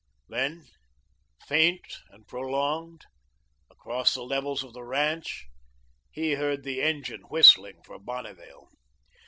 Then, faint and prolonged, across the levels of the ranch, he heard the engine whistling for Bonneville.